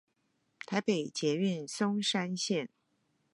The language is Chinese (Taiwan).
台北捷運松山線